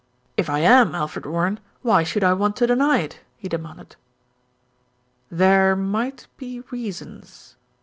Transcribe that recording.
"If I am Alfred Warren, why should I want to deny it?" he demanded. "There might be reasons."